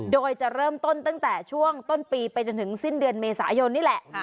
โดยจะเริ่มต้นตั้งแต่ช่วงต้นปีไปจนถึงสิ้นเดือนเมษายนนี่แหละ